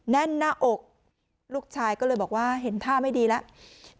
แน่นหน้าอกลูกชายก็เลยบอกว่าเห็นท่าไม่ดีแล้ว